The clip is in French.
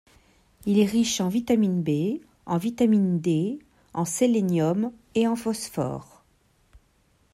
Il est riche en vitamine B, en vitamine D, en sélénium et en phosphore.